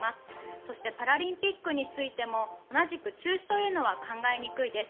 そしてパラリンピックについても同じく中止というのは考えにくいです。